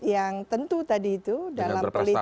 yang tentu tadi itu dalam dengan berapa